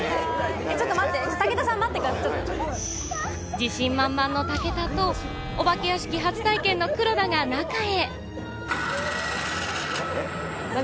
自信満々の武田と、お化け屋敷初体験の黒田が中へ。